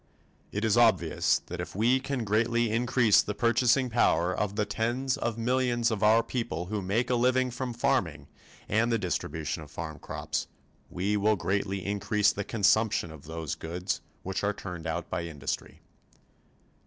It is obvious that if we can greatly increase the purchasing power of the tens of millions of our people who make a living from farming and the distribution of farm crops, we will greatly increase the consumption of those goods which are turned out by industry.